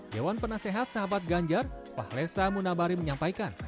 dewan penasehat sahabat ganjar pak lesa munabari menyampaikan